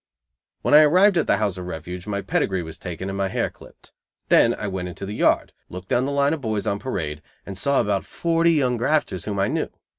When I arrived at the House of Refuge, my pedigree was taken and my hair clipped. Then I went into the yard, looked down the line of boys on parade and saw about forty young grafters whom I knew.